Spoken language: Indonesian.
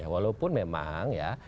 walaupun memang ya